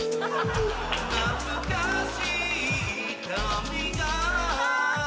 懐かしい痛みが